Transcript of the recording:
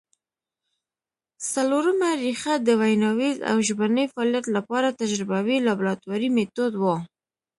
څلورمه ریښه د ویناييز او ژبني فعالیت له پاره تجربوي لابراتواري مېتود وو